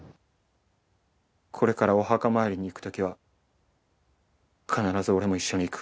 これからお墓参りに行く時は必ず俺も一緒に行く。